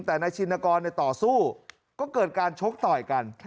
แต่นายชินกรต่อสู้ก็เกิดการชกต่อยกัน